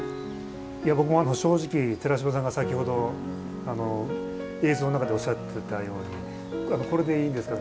僕も正直寺島さんが、先ほど映像の中でおっしゃっていたようにこれでいいんですか？